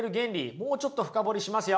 もうちょっと深掘りしますよ。